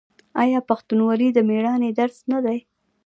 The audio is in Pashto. آیا پښتونولي د میړانې درس نه دی؟